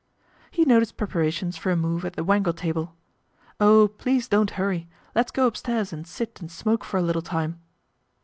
He noticed preparations for a move at the Wangle table. "Oh, please, don't hurry! Let's go upstairs and sit and smoke for a little time."